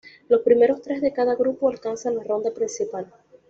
Los primeros tres de cada grupo alcanzan la ronda principal.